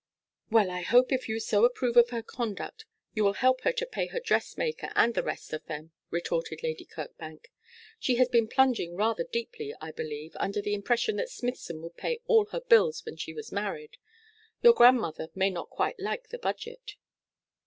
'Well, I hope if you so approve of her conduct you will help her to pay her dressmaker, and the rest of them,' retorted Lady Kirkbank. 'She has been plunging rather deeply, I believe, under the impression that Smithson would pay all her bills when she was married. Your grandmother may not quite like the budget.'